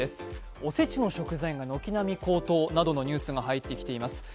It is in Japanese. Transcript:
お節の食材が軒並み高騰などのニュースが入ってきています。